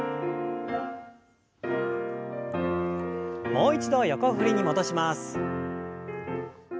もう一度横振りに戻します。